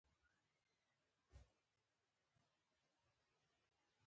نو همدا ولسي ادبيات دي چې د يوه ملت ، قوم